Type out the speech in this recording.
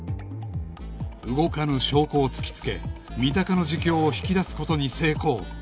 動かぬ証拠を突きつけ三鷹の自供を引き出す事に成功